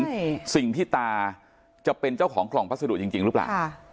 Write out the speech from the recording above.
ใช่สิ่งที่ตาจะเป็นเจ้าของกล่องพัสดุจริงจริงหรือเปล่าค่ะ